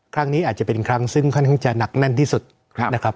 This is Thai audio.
ครั้งนี้อาจจะเป็นครั้งซึ่งค่อนข้างจะหนักแน่นที่สุดนะครับ